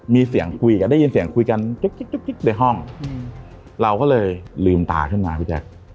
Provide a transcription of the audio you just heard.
มีเสียงคุยกันได้ยินเสียงคุยกันจุ๊กกิ๊กในห้องเราก็เลยลืมตาขึ้นมาพี่แจ๊ค